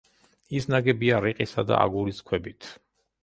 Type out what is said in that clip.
ის ნაგებია რიყისა და აგურის ქვებით.